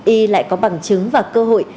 y lại có bằng chứng và cơ hội